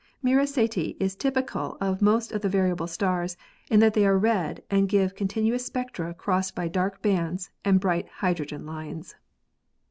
Mira Ceti is typical of most of the variable stars in that they are red and give continuous spectra crossed by dark bands and bright hydrogen lines.